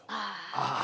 ああ。